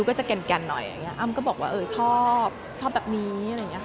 ก็จะแกนหน่อยอัมก็บอกว่าชอบชอบแบบนี้